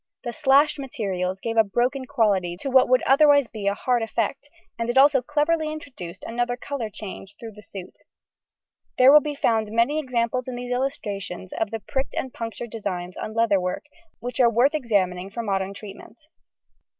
The slashed materials gave a broken quality to what would otherwise be a hard effect, and it also cleverly introduced another colour change through the suit. There will be found many examples in these illustrations of the pricked and punctured designs on leather work which are worth examining for modern treatment.